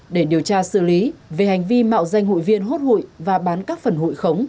để điều tra xử lý về hành vi mạo danh hụi viên hốt hụi và bán các phần hụi khống